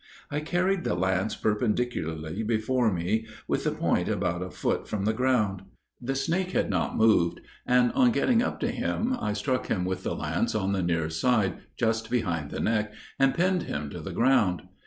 I carried the lance perpendicularly before me, with the point about a foot from the ground. The snake had not moved, and on getting up to him, I struck him with the lance on the near side, just behind the neck, and pinned him to the ground.